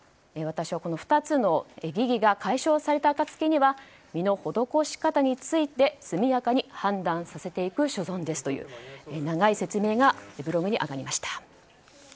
私はこの２つの疑義が解消された暁には身のほどこし方について速やかに判断させていただく所存ですという長い説明がブログに上がりました。